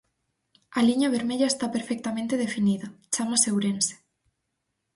A liña vermella esta perfectamente definida: chamase Ourense.